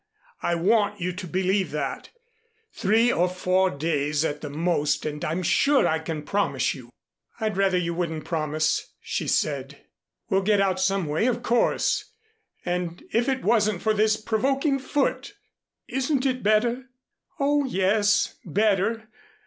I want you to believe that. Three or four days at the most and I'm sure I can promise you " "I'd rather you wouldn't promise," she said. "We'll get out someway, of course, and if it wasn't for this provoking foot " "Isn't it better?" "Oh, yes better.